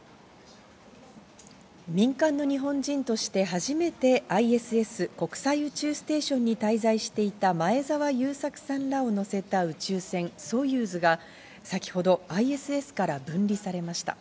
民間の日本人として初めてＩＳＳ＝国際宇宙ステーションに滞在していた前澤友作さんらを乗せた宇宙船ソユーズが先ほどＩＳＳから分離されました。